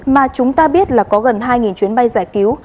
mà chúng ta biết là có gần hai chuyến bay giải cứu